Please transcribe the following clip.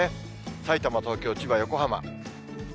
さいたま、東京、千葉、横浜。